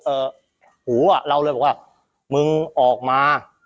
หูอ่ะเราเลยบอกว่ามึงออกมา